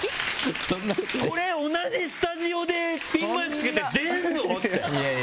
同じスタジオでピンマイクつけて出るの？って。